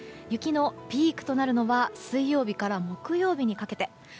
雪のピークとなるのは水曜日から木曜日にかけて。